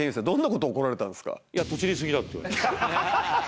どんな事怒られたんですか？